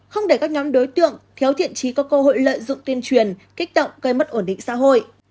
không để các nhóm đối tượng thiếu thiện trí có cơ hội lợi dụng tuyên truyền kích động gây mất ổn định xã hội